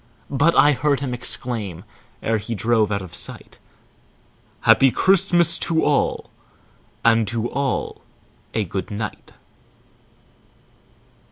But I heard him exclaim, ere he drove out of sight, "Happy Christmas to all, and to all a good night."